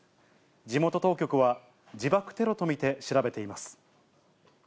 地元当局は、自爆テロと見て調べています。